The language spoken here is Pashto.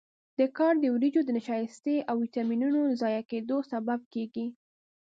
دا کار د وریجو د نشایستې او ویټامینونو د ضایع کېدو سبب کېږي.